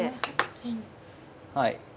はい。